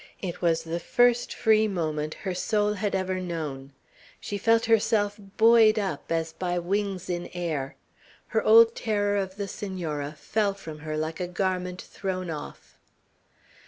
It was the first free moment her soul had ever known. She felt herself buoyed up as by wings in air. Her old terror of the Senora fell from her like a garment thrown off.